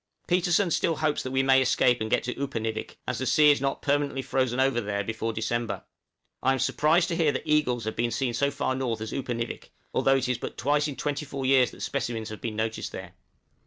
Petersen still hopes we may escape and get into Upernivik, as the sea is not permanently frozen over there before December. I am surprised to hear that eagles have been seen so far north as Upernivik, although it is but twice in twenty four years that specimens have been noticed there.